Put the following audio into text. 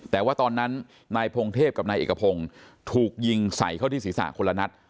แต่ว่าตอนนั้นนายพงเทพกับนายเอกพงศ์ถูกยิงใส่เข้าที่ศีรษะคนละนัด